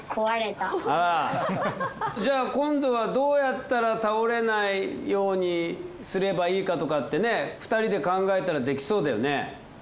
じゃあ今度はどうやったら倒れないようにすればいいかとかってね２人で考えたらできそうだよね。